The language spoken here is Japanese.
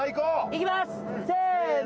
いきますせの。